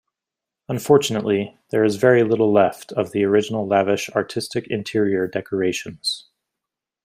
Unfortunately, there is very little left of the original lavish artistic interior decorations.